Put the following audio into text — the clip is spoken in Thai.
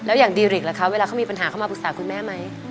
แล้วอย่างดีริกล่ะคะเวลาเขามีปัญหาเขามาปรึกษาคุณแม่ไหม